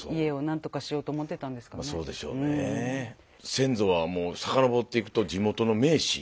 先祖はもう遡っていくと地元の名士。